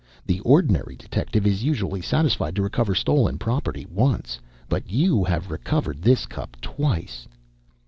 The ordinary detective is usually satisfied to recover stolen property once, but you have recovered this cup twice."